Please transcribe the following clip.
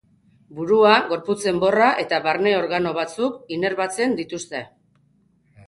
Burua, gorputz enborra eta barne organo batzuk inerbatzen dituzte.